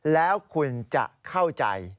แล้วคุณจะเข้าใจ